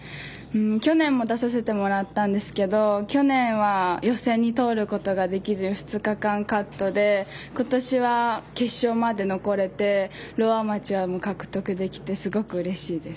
去年も出させてもらったんですけど去年は、予選に通ることができず２日間カットで今年は決勝まで残れてローアマチュアも獲得できてすごくうれしいです。